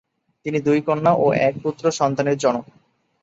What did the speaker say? তিনি দুই কন্যা ও এক পুত্র সন্তানের জনক।